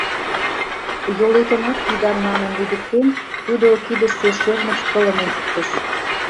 Йолетымат пидам манын лӱдыктен, тудо кидысе шӧрмыч кылым ончыктыш.